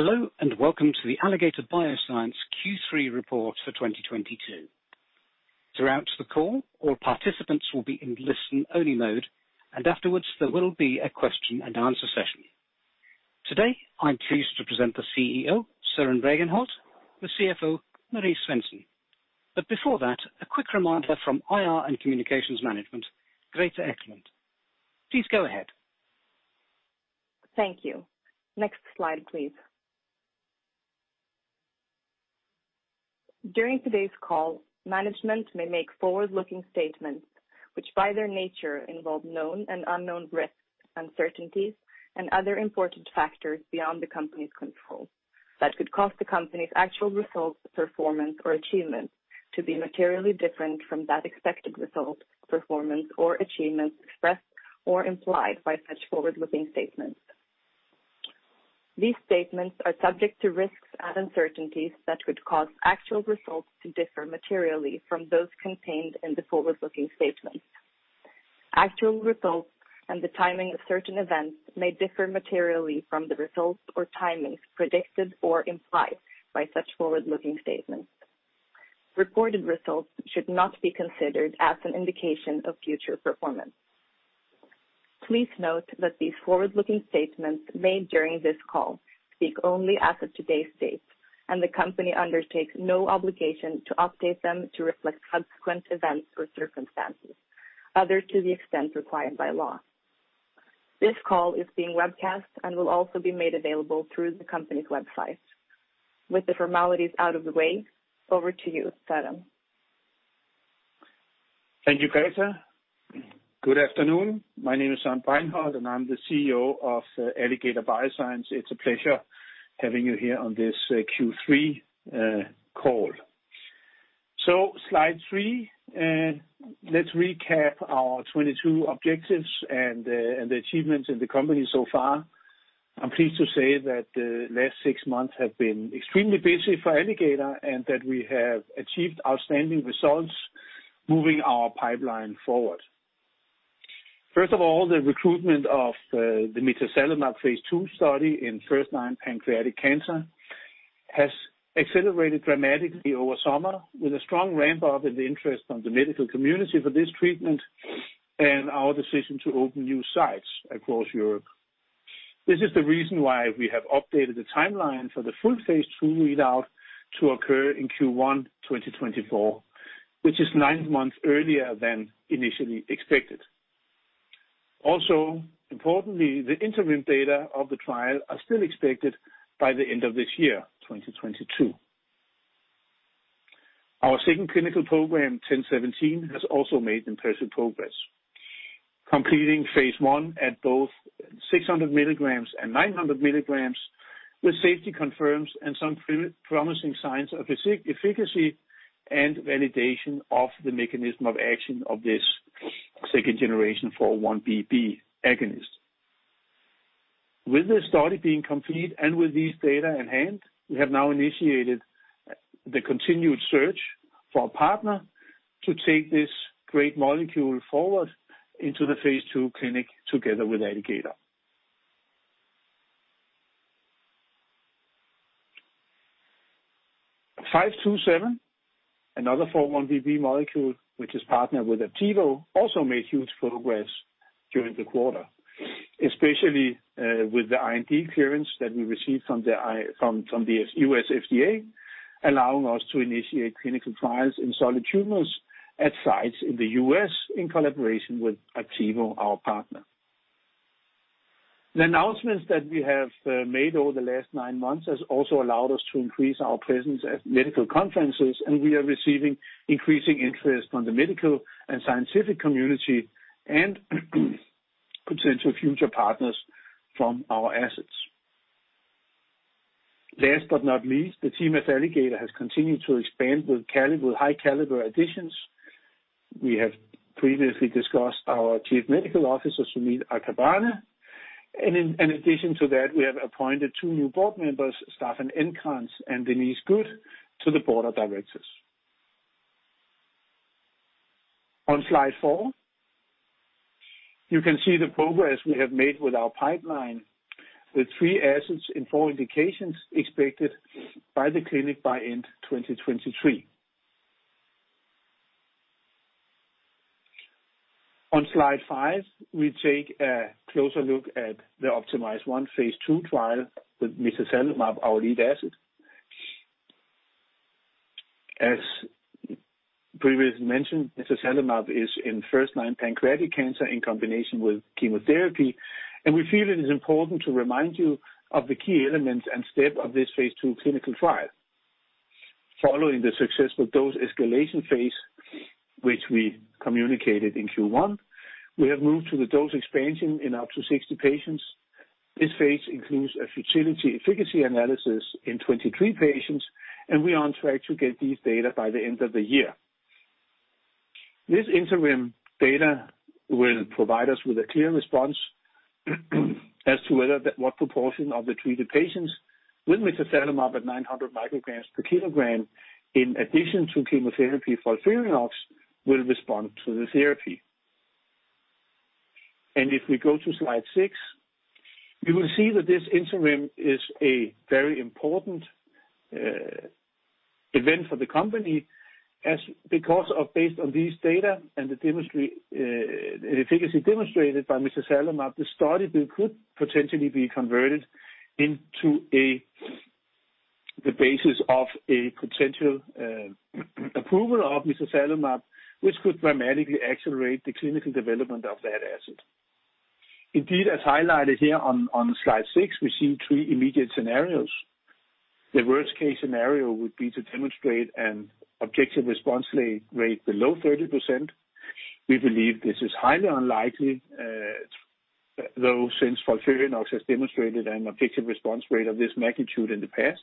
Hello, and welcome to the Alligator Bioscience Q3 report for 2022. Throughout the call, all participants will be in listen-only mode, and afterwards, there will be a question and answer session. Today, I'm pleased to present the CEO, Søren Bregenholt, the CFO, Marie Svensson. Before that, a quick reminder from IR and Communications Management, Greta Eklund. Please go ahead. Thank you. Next slide, please. During today's call, management may make forward-looking statements, which by their nature involve known and unknown risks, uncertainties, and other important factors beyond the company's control that could cause the company's actual results, performance, or achievements to be materially different from that expected result, performance, or achievements expressed or implied by such forward-looking statements. These statements are subject to risks and uncertainties that could cause actual results to differ materially from those contained in the forward-looking statements. Actual results and the timing of certain events may differ materially from the results or timings predicted or implied by such forward-looking statements. Reported results should not be considered as an indication of future performance. Please note that these forward-looking statements made during this call speak only as of today's date, and the company undertakes no obligation to update them to reflect subsequent events or circumstances, other than to the extent required by law. This call is being webcasted and will also be made available through the company's website. With the formalities out of the way, over to you, Søren. Thank you, Greta. Good afternoon. My name is Søren Bregenholt, and I'm the CEO of Alligator Bioscience. It's a pleasure having you here on this Q3 call. Slide three, let's recap our 2022 objectives and the achievements in the company so far. I'm pleased to say that the last six months have been extremely busy for Alligator and that we have achieved outstanding results moving our pipeline forward. First of all, the recruitment of the mitazalimab phase II study in first-line pancreatic cancer has accelerated dramatically over summer with a strong ramp-up in the interest on the medical community for this treatment and our decision to open new sites across Europe. This is the reason why we have updated the timeline for the full phase two read out to occur in Q1 2024, which is nine months earlier than initially expected. Importantly, the interim data of the trial are still expected by the end of this year, 2022. Our second clinical program, ATOR-1017, has also made impressive progress. Completing phase I at both 600 mg and 900 mg, with safety confirmed and some promising signs of efficacy and validation of the mechanism of action of this second-generation 4-1BB agonist. With this study being complete and with this data at hand, we have now initiated the continued search for a partner to take this great molecule forward into the phase two clinic together with Alligator. ALG.APV-527, another 4-1BB molecule, which is partnered with Aptevo, also made huge progress during the quarter, especially with the IND clearance that we received from the U.S. FDA, allowing us to initiate clinical trials in solid tumors at sites in the U.S. in collaboration with Aptevo, our partner. The announcements that we have made over the last nine months has also allowed us to increase our presence at medical conferences, and we are receiving increasing interest from the medical and scientific community and potential future partners from our assets. Last but not least, the team at Alligator has continued to expand with high caliber additions. We have previously discussed our Chief Medical Officer, Sumeet Ambarkhane. In addition to that, we have appointed two new board members, Staffan Encrantz and Denise Goode, to the board of directors. On slide four, you can see the progress we have made with our pipeline, with three assets and four indications expected by the clinic by end 2023. On slide five, we take a closer look at the OPTIMIZE-1 phase II trial with mitazalimab, our lead asset. As previously mentioned, mitazalimab is in first-line pancreatic cancer in combination with chemotherapy, and we feel it is important to remind you of the key elements and step of this phase two clinical trial. Following the successful dose escalation phase, which we communicated in Q1, we have moved to the dose expansion in up to 60 patients. This phase includes a futility efficacy analysis in 23 patients, and we are on track to get this data by the end of the year. This interim data will provide us with a clear response as to whether what proportion of the treated patients with mitazalimab at 900 micrograms per kilogram in addition to chemotherapy FOLFIRINOX will respond to the therapy. If we go to slide six, you will see that this interim is a very important event for the company because based on these data and the efficacy demonstrated by mitazalimab, the study could potentially be converted into the basis of a potential approval of mitazalimab, which could dramatically accelerate the clinical development of that asset. Indeed, as highlighted here on slide six, we see three immediate scenarios. The worst-case scenario would be to demonstrate an objective response rate below 30%. We believe this is highly unlikely, though, since FOLFIRINOX has demonstrated an objective response rate of this magnitude in the past,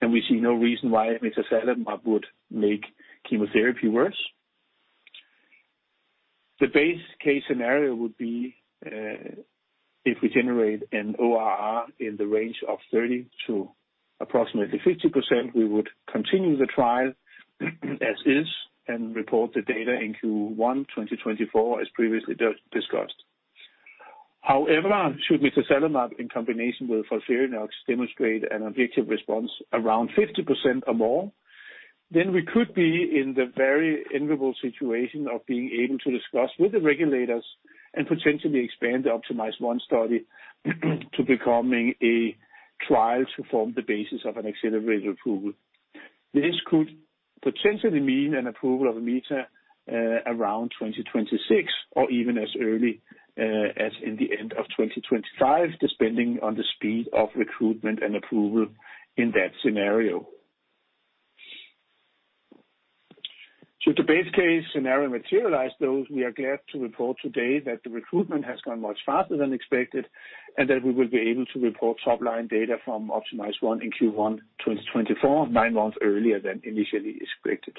and we see no reason why mitazalimab would make chemotherapy worse. The base case scenario would be, if we generate an ORR in the range of 30 to approximately 50%, we would continue the trial as is and report the data in Q1 2024 as previously discussed. However, should mitazalimab in combination with FOLFIRINOX demonstrate an objective response around 50% or more, then we could be in the very enviable situation of being able to discuss with the regulators and potentially expand the OPTIMIZE-1 study to becoming a trial to form the basis of an accelerated approval. This could potentially mean an approval of a BLA around 2026 or even as early as in the end of 2025, depending on the speed of recruitment and approval in that scenario. Should the base case scenario materialize, though we are glad to report today that the recruitment has gone much faster than expected, and that we will be able to report top-line data from OPTIMIZE-1 in Q1 2024, nine months earlier than initially expected.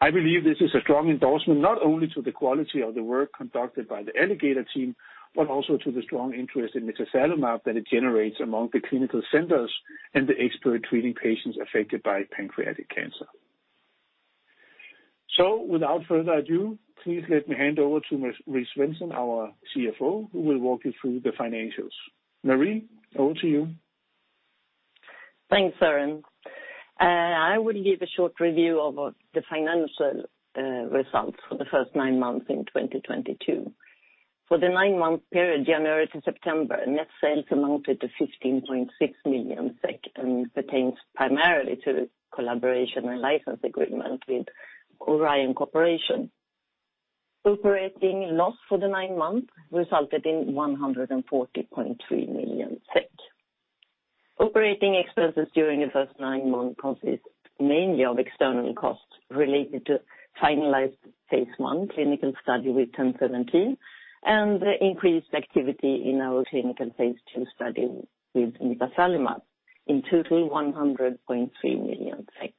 I believe this is a strong endorsement, not only to the quality of the work conducted by the Alligator team, but also to the strong interest in mitazalimab that it generates among the clinical centers and the expert treating patients affected by pancreatic cancer. Without further ado, please let me hand over to Marie Svensson, our CFO, who will walk you through the financials. Marie, over to you. Thanks, Søren. I will give a short review of the financial results for the first nine months in 2022. For the nine-month period, January-September, net sales amounted to 15.6 million SEK and pertains primarily to the collaboration and license agreement with Orion Corporation. Operating loss for the nine months resulted in 140.3 million SEK. Operating expenses during the first nine months consist mainly of external costs related to finalized phase one clinical study with ATOR-1017, and increased activity in our clinical phase II study with mitazalimab. In total, 100.3 million SEK.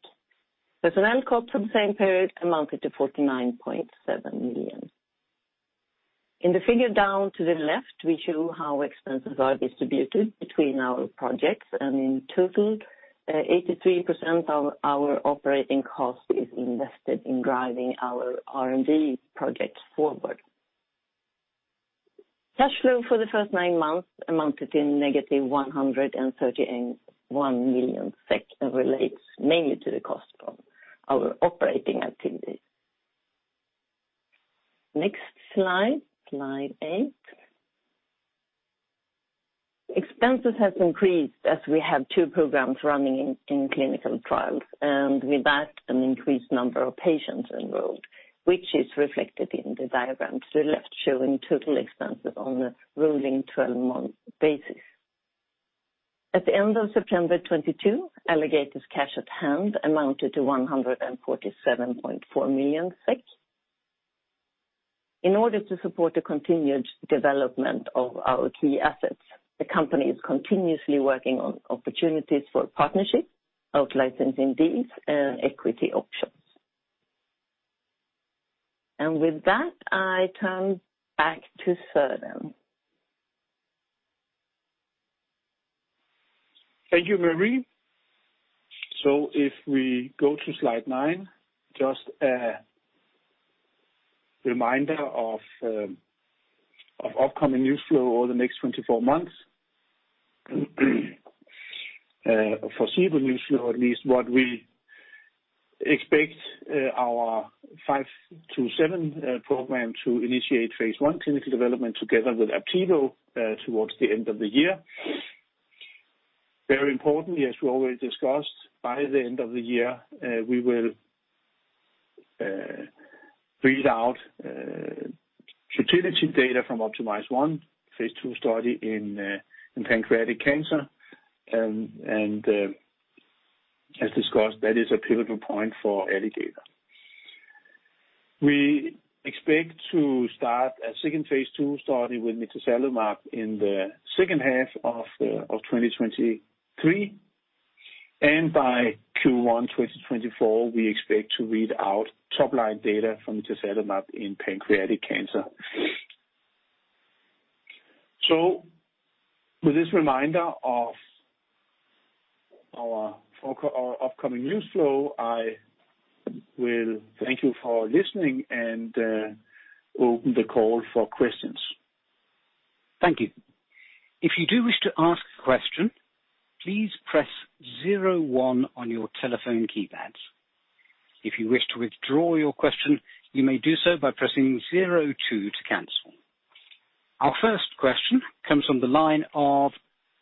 Personnel costs from the same period amounted to 49.7 million. In the figure down to the left, we show how expenses are distributed between our projects, and in total, 83% of our operating cost is invested in driving our R&D projects forward. Cash flow for the first nine months amounted to -131 million SEK and relates mainly to the cost of our operating activities. Next slide eight. Expenses have increased as we have two programs running in clinical trials, and with that, an increased number of patients enrolled, which is reflected in the diagram to the left, showing total expenses on a rolling 12-month basis. At the end of September 2022, Alligator's cash at hand amounted to 147.4 million SEK. In order to support the continued development of our key assets, the company is continuously working on opportunities for partnerships, out licensing these and equity options. With that, I turn back to Søren. Thank you, Marie. If we go to slide nine, just a reminder of upcoming news flow over the next 24 months. Foreseeable news flow, at least what we expect, our ALG.APV-527 program to initiate phase I clinical development together with Aptevo towards the end of the year. Very importantly, as we already discussed, by the end of the year, we will read out efficacy data from OPTIMIZE-1 phase II study in pancreatic cancer. As discussed, that is a pivotal point for Alligator. We expect to start a second phase II study with mitazalimab in the second half of 2023, and by Q1 2024, we expect to read out top-line data from mitazalimab in pancreatic cancer. Upcoming news flow, I will thank you for listening and open the call for questions. Thank you. If you do wish to ask a question, please press zero one on your telephone keypads. If you wish to withdraw your question, you may do so by pressing zero two to cancel. Our first question comes from the line of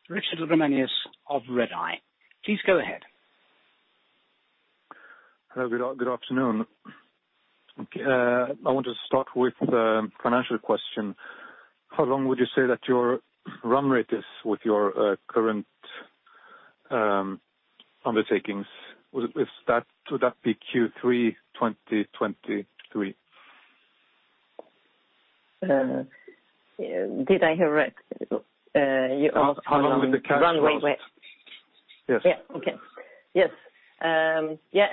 Richard Ramanius of Redeye. Please go ahead. Hello, good afternoon. Okay. I want to start with the financial question. How long would you say that your run rate is with your current undertakings? With that, would that be Q3 2023? Did I hear right? You asked- I'm talking about the cash flows. Run rate. Yes. Yeah, okay. Yes. You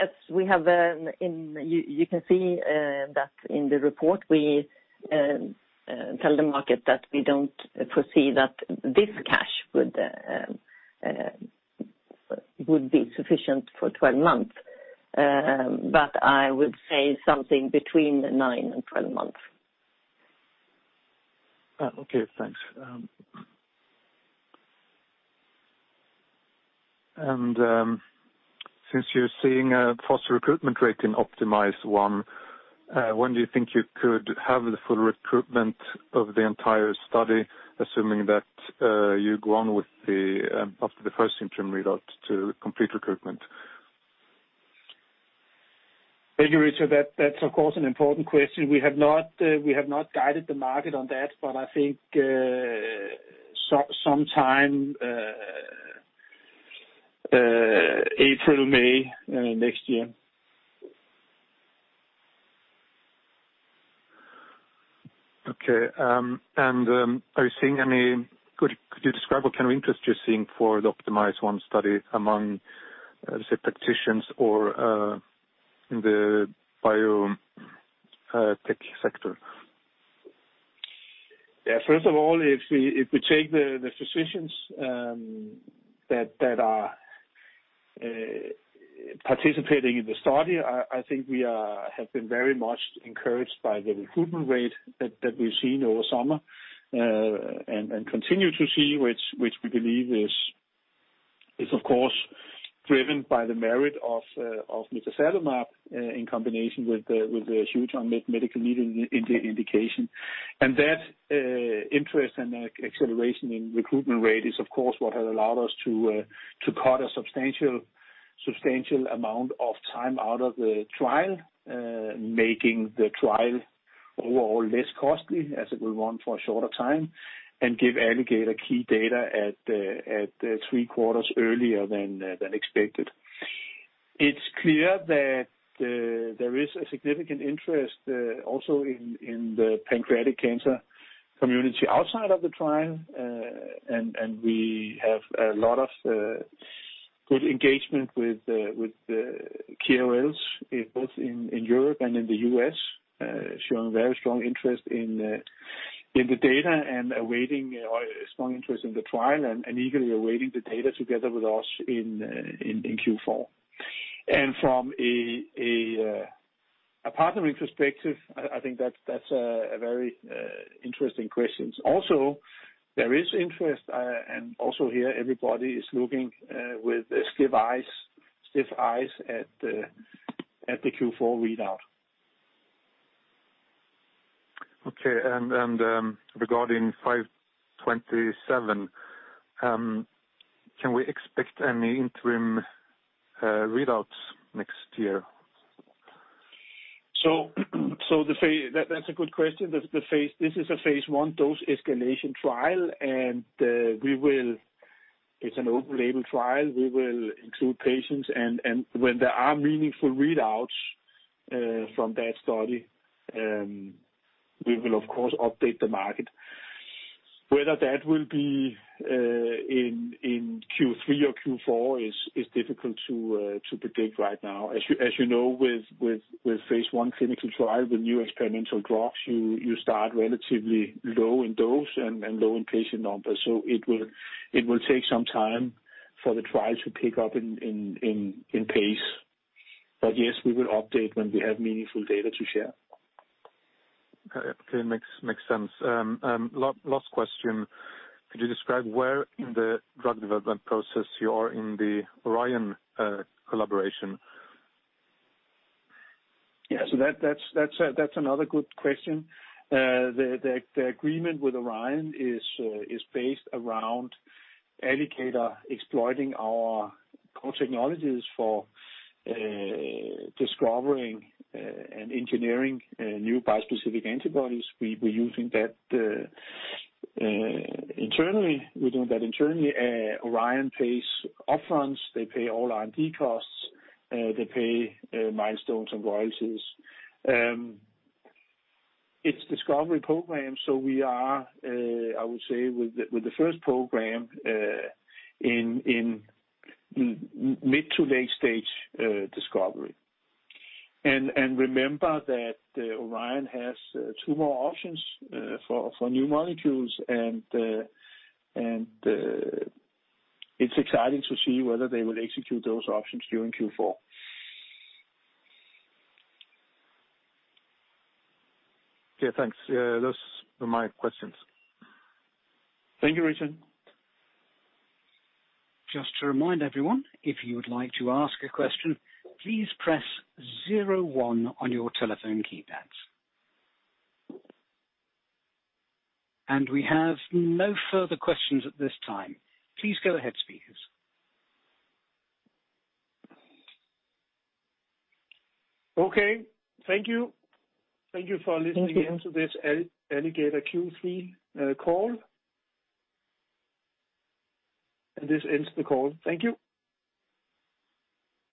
can see that in the report, we tell the market that we don't foresee that this cash would be sufficient for 12 months. But I would say something between nine-twelve months. Since you're seeing a faster recruitment rate in OPTIMIZE-1, when do you think you could have the full recruitment of the entire study, assuming that you go on after the first interim readout to complete recruitment? Thank you, Richard. That's of course an important question. We have not guided the market on that. I think so sometime April, May next year. Could you describe what kind of interest you're seeing for the OPTIMIZE-1 study among, say, practitioners or in the biotech sector? Yeah. First of all, if we take the physicians that are participating in the study, I think we have been very much encouraged by the recruitment rate that we've seen over summer and continue to see which we believe is of course driven by the merit of mitazalimab in combination with the huge unmet medical need in the indication. That interest and acceleration in recruitment rate is of course what has allowed us to cut a substantial amount of time out of the trial, making the trial overall less costly as it will run for a shorter time and give Alligator key data at the three quarters earlier than expected. It's clear that there is a significant interest also in the pancreatic cancer community outside of the trial. We have a lot of good engagement with the KOLs both in Europe and in the US showing very strong interest in the data and strong interest in the trial and eagerly awaiting the data together with us in Q4. From a partner interest perspective, I think that's a very interesting question. Also, there is interest and also here everybody is looking with sharp eyes at the Q4 readout. Regarding 527, can we expect any interim readouts next year? That's a good question. This is a phase I dose escalation trial and it's an open label trial. We will include patients and when there are meaningful readouts from that study, we will of course update the market. Whether that will be in Q3 or Q4 is difficult to predict right now. As you know, with phase I clinical trial, with new experimental drugs, you start relatively low in dose and low in patient numbers. It will take some time for the trial to pick up in pace. Yes, we will update when we have meaningful data to share. Okay. Makes sense. Last question. Could you describe where in the drug development process you are in the Orion collaboration? Yeah. That's another good question. The agreement with Orion is based around Alligator exploiting our core technologies for discovering and engineering new bispecific antibodies. We were using that internally. We're doing that internally. Orion pays upfront. They pay all R&D costs. They pay milestones and royalties. It's discovery program, so I would say with the first program in mid- to late-stage discovery. Remember that Orion has two more options for new molecules and it's exciting to see whether they will execute those options during Q4. Yeah, thanks. Those were my questions. Thank you, Richard. Just to remind everyone, if you would like to ask a question, please press zero one on your telephone keypads. We have no further questions at this time. Please go ahead, speakers. Okay. Thank you. Thank you for listening. Thank you. Into this Alligator Q3 call. This ends the call. Thank you.